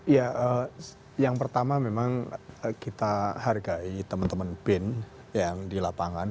ya yang pertama memang kita hargai teman teman bin yang di lapangan